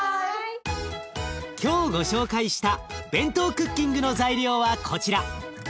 今日ご紹介したＢＥＮＴＯクッキングの材料はこちら。